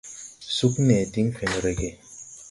Sug nee diŋ fen rege.